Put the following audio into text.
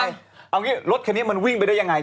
เอางี้รถคันนี้มันวิ่งไปได้ยังไง